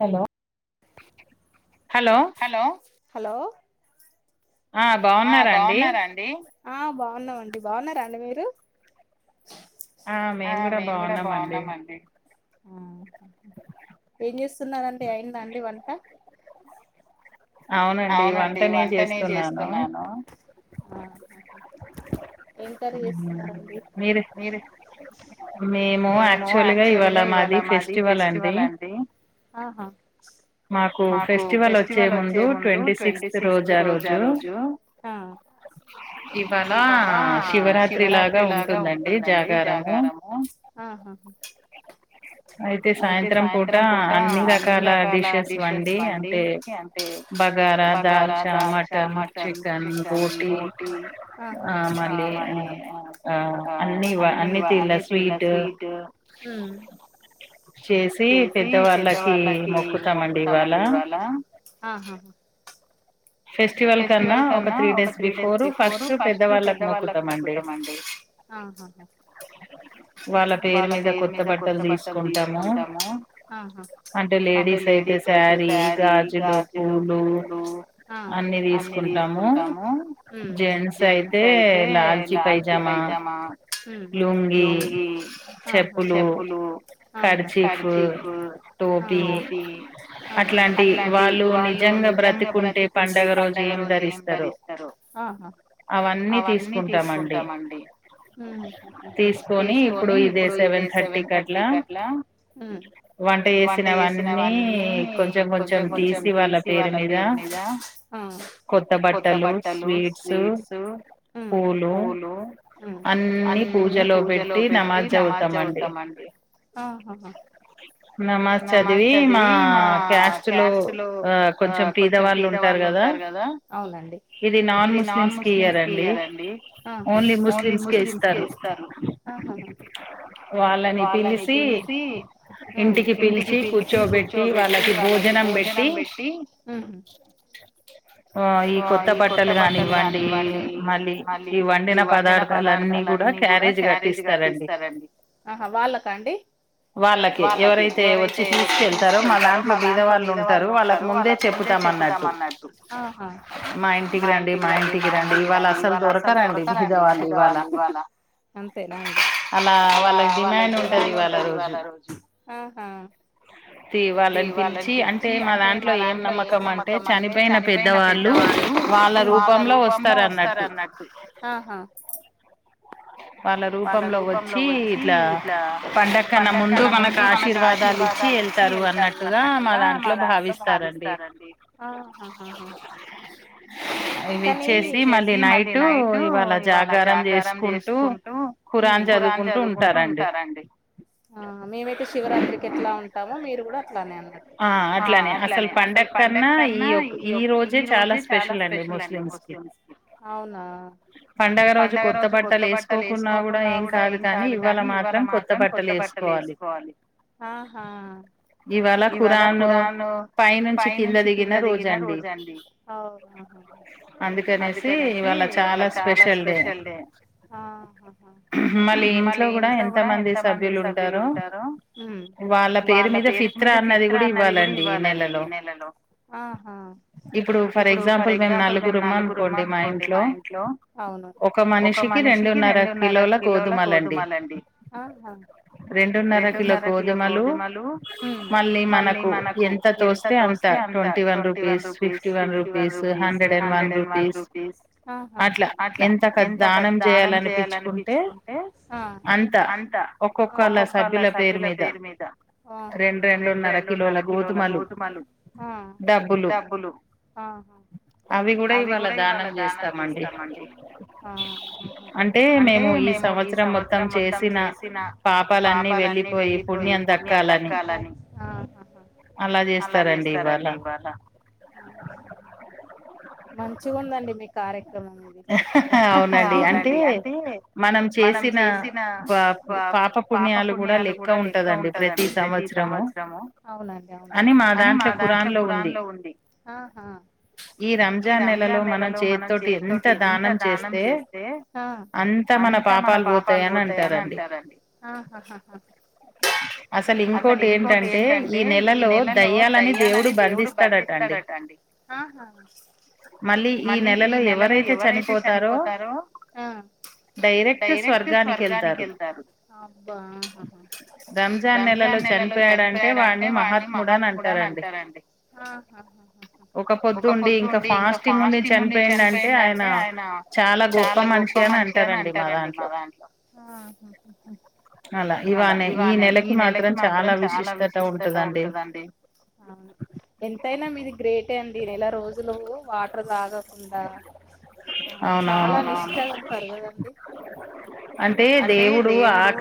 Hello hello hello ఆ బాగున్నారా అండి ఆ బాగున్నామండి బాగున్నారా అండి మీరు ఆ మేము కూడా బాగున్నాం అండి ఆ ఏం చేస్తున్నారంటే అయిందా అండి వంట అవునండి వంటనే చేస్తున్నాను ఆఓ ఏం కర్రీ చేస్తున్నారండి మీరే మేము యాక్చువల్ గా ఇవాళ మాది ఫెస్టివల్ అండి మాకు ఫెస్టివల్ వచ్చే ముందు ట్వంటీ సిక్స్త్ రోజు ఆ రోజు హా ఇవాళ శివరాత్రి లాగా ఉంటుందండి జాగారము ఆహా అయితే సాయంత్రం పూట అన్ని రకాల డిషెస్ వండి అంటే బగారా, దాల్చా, మటన్, చికెన్, గోటి ఆహా ఆ మళ్ళీ ఆ అన్ని అన్ని తీల స్వీట్ ఉమ్ చేసి పెద్దవాళ్ళకి మొక్కుతామండి ఇవాళ ఫెస్టివల్ కన్నా ఒక త్రీ డేస్ బిఫోర్ ఫస్ట్ పెద్ద వాళ్ళకి మొక్కుంటామండి వాళ్ళ పేరు మీద కొత్త బట్టలు తీసుకుంటాము అంటే లేడీస్ అయితే శారీ, గాజులు, పూలు అన్ని తీసుకుంటాము ఉ జెంట్స్ అయితే లా, పైజామా, లుంగి, చెప్పులు, కర్చిఫ్, టోపి అట్లాంటి వాళ్ళు నిజంగా బ్రతి పండగలు పండగ రోజు ఏం ధరిస్తారు ఆహా అవన్నీ తీసుకుంటామండి ఉ తీసుకొని ఇప్పుడు ఇదే సెవెన్ థర్టీ కి అట్ల వంట చేసినవన్నీ కొంచెం కొంచెం తీసి వాళ్ళ పేరు మీద ఆ కొత్త బట్టలు, స్వీట్స్, పూలు అన్ని పూజలో పెట్టి నమాజ్ చదువుతామండి నమాజ్ చదివి మా క్యాస్ట్ లో ఆ కొంచెం పేద వాళ్ళు ఉంటే వాళ్ళు ఉంటారు గదా ఇది నాన్ ముస్లిమ్స్ కి ఇయ్యరండీ ఓన్లీ ముస్లిమ్స్ కే ఇస్తారు వాళ్ళని పిలిచి ఇంటికి పిలిచి కూర్చోబెట్టి వాళ్ళకి భోజనం బెట్టి ఆ ఈ కొత్త బట్టలు గానివ్వండి ఈ మళ్ళీ ఈ వండిన పదార్థాలన్ని గుడా క్యారేజీ కట్టిస్తారండి వాళ్ళకే ఎవరైతే తే వచ్చి తీసుకెళ్తారు మా దాంట్లో బీదవాళ్ళు ఉంటారు వాళ్ళకు ముందే చెప్పుతాం అన్నట్టు మా ఇంటికి రండి మా ఇంటికి రండి ఇవాళ అసలు దొరకరండి బీదవాళ్ళు ఇవాళ అలా వాళ్ళకి డిమాండ్ ఉంటది ఇవాళ రోజు తీ వాళ్ళని పిలిచి అంటే మా దాంట్లో ఏం నమ్మకం అంటే అంటే చనిపోయిన పెద్దవాళ్ళు వాళ్ళ రూపంలో వస్తారన్నట్టు వాళ్ళ రూపంలో వచ్చి ఇట్ల పండక్కన్న ముందు మనకు ఆశీ మాకు ఆశీర్వాదలిచ్చి ఏళ్తారు అన్నట్టుగా మా దాంట్లో భావిస్తారండి ఈవిచ్చేసి మళ్ళీ నైట్ ఉ ఇవాళ జాగారం చేస్ ఖురాన్ చదువుకుంటూ ఉంటారండి శివరాత్రికి ఎట్ల ఉంటామో మీరు గుడా అ ఆ అట్లానే అసలు పండకన్నా ఈ ఒక్ ఈ రోజే చాలా స్పెషల్ అండి ముస్లిమ్స్ కి పండగ రోజు కొత్త బట్టలు ఏసుకోకున్నా గుడా ఏం కాదు కానీ ఇవాళ మాత్రం కొత్త బట్టలు ఏసుకోవాలి వాలి ఇవాళ ఖురాను పై నుంచి కింద దిగిన రోజండి అందుకనేసి ఇవాళ చాలా స్పెషల్ డే మళ్ళీ ఇంట్లో గుడా ఎంత మంది సభ్యులు వాళ్ళ పేరు మీద ఫిత్ర అన్నది గుడా ఇవ్వాలండి ఈ నెలలో ఇప్పుడు ఫర్ ఎగ్జాంపుల్ మేము నలుగురం ఉన్నామానుకొండి మా ఇంట్లో ఒక మనిషికి రెండున్నర కిలోల గోధుమలండి రెండున్నర కిలో గోధుమలు మళ్ళీ మనకు ఎంత తోస్తే అంత twenty one rupees fifty one rupees hundred and one rupees అట్ల ఎంత పెద్ద దానం చేయాలనిపిచ్చుకుంటే అంత ఒక్కొక్కళ సభ్యుల పేరు మీద రెండు రెండున్నర కిలోల గోధుమలు డబ్బులు అవి గూడా ఇవాళ దానం చేస్తామండి అంటే మేము ఈ సంవత్సరం మొత్తం చేసిన పాపాలన్నీ వెళ్ళిపోయి పుణ్యం దక్కాలని అలా చేస్తారండి ఇవాళ మంచిగుందండి మీ కార్యాక్రమం హ్ హా అవునండి అంటే మనం చేసిన ప పాప పుణ్యాలు గూడా లెక్క ఉంటదండి ప్రతి సంవత్సరము అని మా దాంట్లో ఖురాన్ లో ఉంది జాన్ నెలలో మనం చేతోటి ఎం అంత దానం చేస్తే అంతా మన పాపాలు పోతాయని అంటారండి అసలు ఇంకోటి ఏంటంటే ఈ నెలలో దయ్యాలని దేవుడు బంధిస్తాడట అండి మళ్ళీ ఈ నెలలో ఎవరైతే అ అబ్బా అహ అహ అహ హ హ ఇంకా ఫాస్టింగ్ ఉండి చనిపోయిండు అంటే ఆ అహ హ హ హ అవును ఎంతైనా మీది గ్రేటే ఈ నెల రోజులు వాటర్ లాగా కుండా ఆ చాలా నిష్టగా ఉంటారు కదండి అవును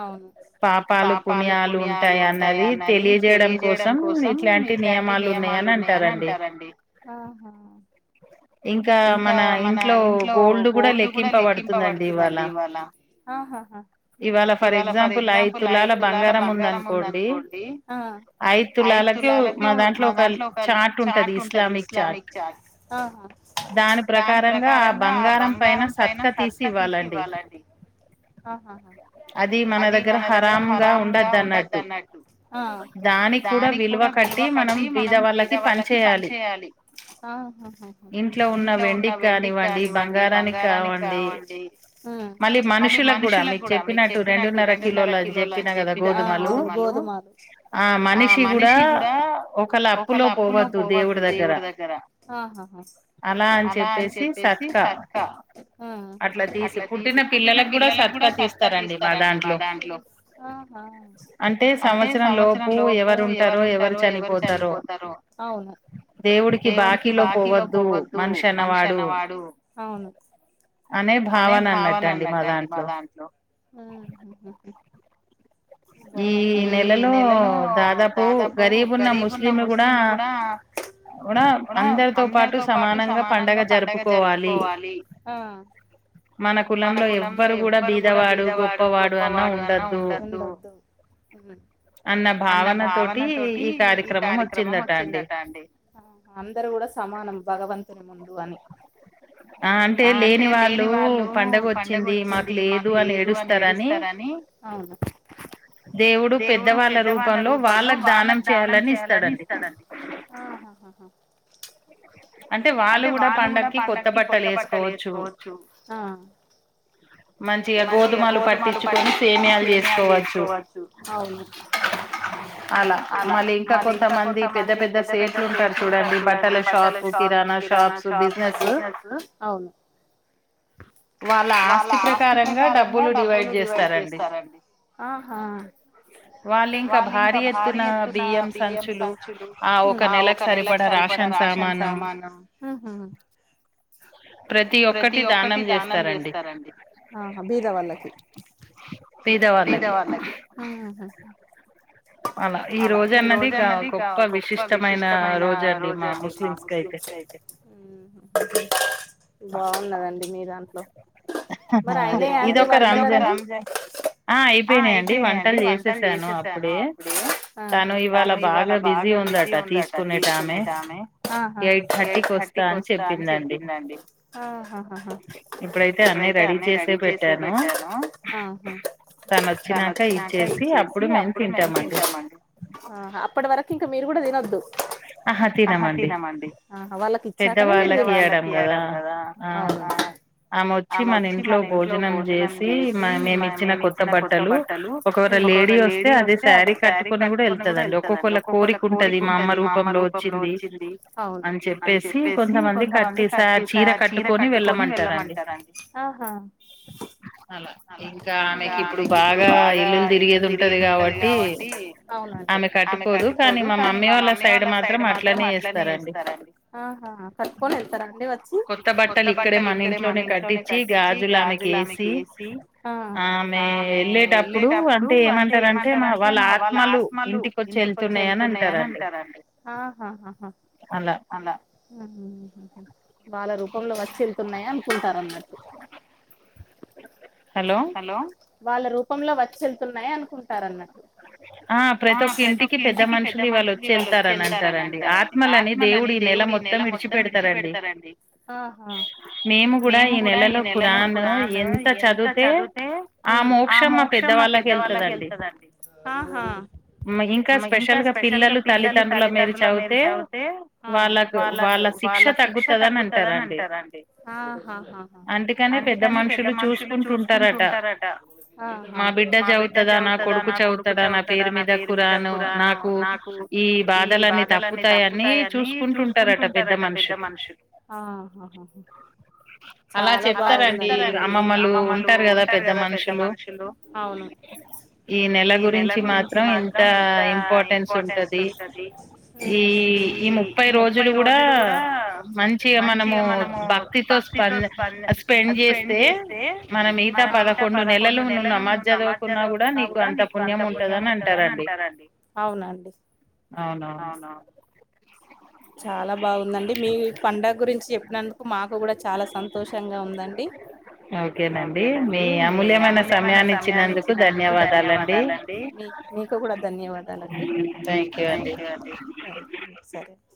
అవును పాపాలు పుణ్యాలు ఉంటాయి అన్నది తెలియజేయడం కోసం ఇట్లాంటి నియమాలు ఉన్నాయని అంటారండి ఆహా అహహ అ అహ దాని ప్రకారంగా ఆ బంగారం పైన సత్క తీసి ఇవ్వాలండి అది మన దగ్గ అ అహ హాహా అ అ అవును గోధుమలు అ హా హా ఆ అహ అవునా అవును అహ హ హ బాగున్నదండీ ఆ ఉండ అహ అందరు గుడా సమానం భగవంతుని ముందు అని అవునా అహ హ హ అంటే వాళ్ళు కూడా పండగకి కొత్త బట్టలు ఎసుకోవచ్చు మంచిగా గోధుమలు పట్టించుకొని సేమయాలు చేసుకోవచ్చు అలా మళ్ళీ ఇంకా కొంతమంది పెద్ద పెద్ద సేట్లు ఉంటారు చూడండి బట్టల షాప్ కిద అవును బా ఆస్తి ప్రకారంగా డబ్బులు డివైడ్ చేస్తారండి వాళ్ళ ఇంకా భారీ ఎత్తున బియ్యం సంచులు ఒక నెకి సరిపడ రాషన్ సామాను ప్రతి ఒక్కటి దానం చేస్తారండి ఆహా బీద వాళ్ళకి హ్మ్ హు అలా ఈ రోజు అన్నది గా గొప్ప విశిష్టమైన రోజు అండి మా ముస్లిమ్స్ కి అయితే క బాగున్నాదండి మీ దాంట్లో మరి అయినాయ అండి వంటలు ఆహా ఆహా థర్టీకి వస్తా అని చెప్పిందండి ఆహహ ఆ అప్పటి వరకు ఇంకా మీరు కూడా తినొద్దు ఆహా తినమండి ఆహా వాళ్ళకి ఇచ్చాకనే మీరు తినడం అవును అవును ఆహా ఆ అవునండి తర అండి ఆహా కట్టుకొని వెళ్తారా అండి వచ్చి హ్మ్ హు హ్మ్ హుహు రూపంలో వచ్చ వెళ్తున్నాయి అనుకుంటారు అన్నట్టు హలో రూపంలో వచ్చిళ్తున్నాయి అనుకుంటారన్న ఆ ప్రతి ఒక్క ఇంటికి పెద్ద మనుషులు ఇవాళ్ళు వచ్చి వెళ్తారని అంటారండి ఆత్మలని దేవుడు ఈ నెల మొత్తం విడిచిపెడతారండి మేము కూడా ఈ నెలలో ఖురాను ఎన్ చదివితే ఆ మోక్షం మా పెద్దవాళ్ళకి వెళ్తాదండి ఇంకా స్పెషల్ గా పిల్లలు తల్లితండ్రుల మీరు చవితే వాళ్ళకు వాళ్ళ శిక్ష తగ్గుతుందిని అంటారుండి అందుకని పెద్ద మనుషులు చూసుకుంటూ ఉంటారటా మా బిడ్డ చదువుతదా నా కొడుకు అహహ చాలా బాగుందండి మీది అమ్మమ్మలు ఉంటారు కదా పెద్ద మనుషులు గురించి మాత్రం ఇంత ఇంపార్టెన్స్ ఉంటది ఈ ఈ ముప్పై రోజులు కూడా మంచిగా మనము భక్తితో స్పంద్ స్పెండ్ చేస్తే మనం మిగతా పదకొండు నెలలు నువ్వు నమాజ్ చదవుకున్నా కూడా నీకు అంత గంత పుణ్యం ఉంటదని అంటారండి అవునండి అవునవును చాలా బాగుందండి మీ పండగ గురించి చెప్పినందుకు మాకు కూడా చాలా సంతోషంగా ఉందండి. ఓకేనండి మీ అమూల్యమైన సమయాన్ని ఇచ్చినందుకు ధన్యవాదాలండి. థ్యాంక్యూ అండి కే